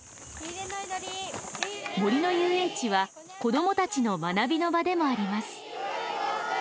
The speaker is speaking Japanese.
森のゆうえんちは子どもたちの学びの場でもあります。